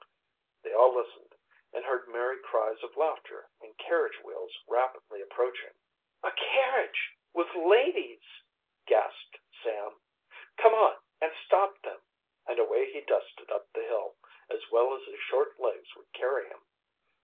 They all listened, and heard merry cries of laughter and carriage wheels rapidly approaching. "A carriage with ladies!" gasped Sam. "Come on and stop them!" And away he, dusted up the hill, as well as his short legs would carry him.